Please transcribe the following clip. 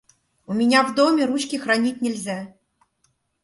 У меня в доме ручки хранить нельзя.